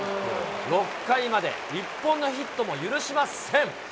６回まで１本のヒットも許しません。